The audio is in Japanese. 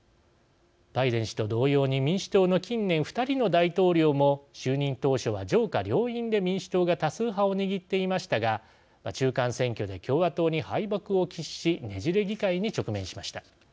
バイデン氏と同様に民主党の近年２人の大統領も就任当初は上下両院で民主党が多数派を握っていましたが中間選挙で共和党に大敗を喫しねじれ議会に直面しました。